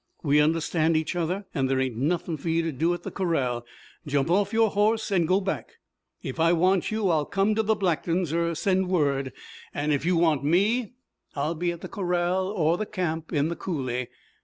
We understand each other, and there ain't nothin' for you to do at the corral. Jump off your horse and go back. If I want you I'll come to the Blacktons' 'r send word, and if you want me I'll be at the corral or the camp in the coulee.